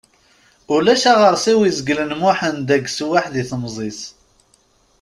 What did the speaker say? Ulac aɣersiw izeglen Muḥend ageswaḥ di temẓi-s.